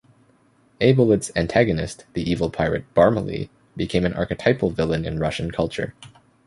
Aybolit's antagonist, the evil pirate Barmaley, became an archetypal villain in Russian culture.